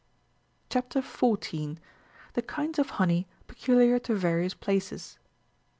CHAP. 14. (14.) THE KINDS OP HONEY PECULIAR TO VARIOUS PLACES.